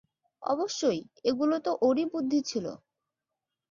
অবশ্যই, এগুলো তো ওরই বুদ্ধি ছিল।